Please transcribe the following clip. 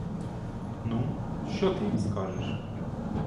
Ну, що ти їм скажеш?